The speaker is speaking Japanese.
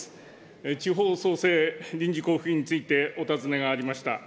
地方創生臨時交付金についてお尋ねがありました。